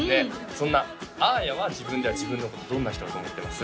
そんなあーやは自分では自分のことどんな人だと思ってます？